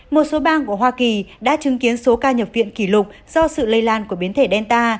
một số bang của hoa kỳ đã chứng kiến số ca nhập viện kỷ lục do sự lây lan của biến thể delta